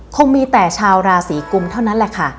คงมีแต่ชาวราศีกุมเท่านั้นแหละค่ะ